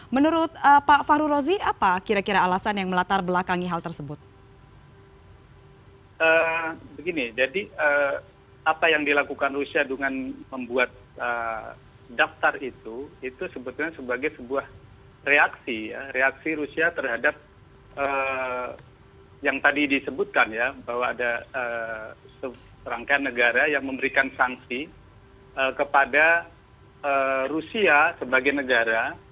sebutkan sebagai sebuah reaksi rusia terhadap yang tadi disebutkan ya bahwa ada rangkaian negara yang memberikan sanksi kepada rusia sebagai negara